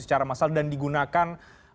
secara massal dan digunakan